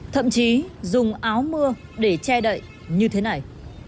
thậm chí dùng áo mưa để che đậy như thế này